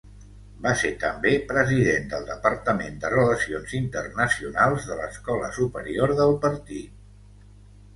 Va ser també president del departament de Relacions Internacionals de l'Escola Superior del Partit.